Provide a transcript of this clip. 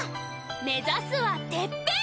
目指すはてっぺん！